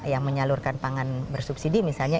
yang menyalurkan pangan bersubsidi misalnya